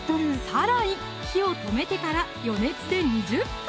さらに火を止めてから余熱で２０分！